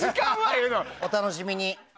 お楽しみに。